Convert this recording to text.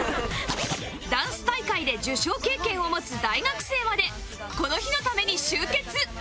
ダンス大会で受賞経験を持つ大学生までこの日のために集結！